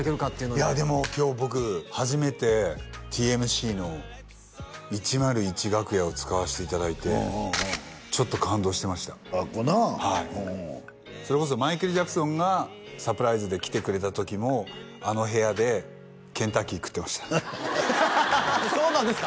いやでも今日僕初めてＴＭＣの１０１楽屋を使わせていただいてちょっと感動してましたあっこなあそれこそマイケル・ジャクソンがサプライズで来てくれた時もあの部屋でケンタッキー食ってましたハハハハッそうなんですか？